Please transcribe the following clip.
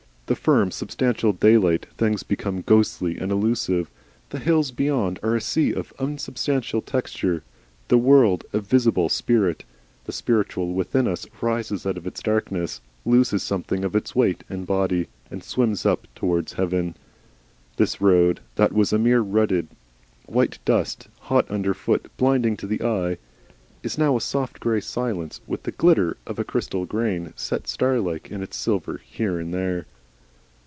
The firm substantial daylight things become ghostly and elusive, the hills beyond are a sea of unsubstantial texture, the world a visible spirit, the spiritual within us rises out of its darkness, loses something of its weight and body, and swims up towards heaven. This road that was a mere rutted white dust, hot underfoot, blinding to the eye, is now a soft grey silence, with the glitter of a crystal grain set starlike in its silver here and there.